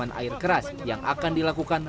dengan air keras yang akan dilakukan